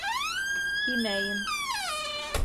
Тимәйем.